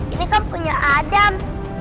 ini kan punya adam